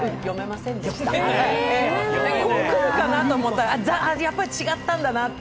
こう来るかなと思ったら、やっぱり違ったんだなって。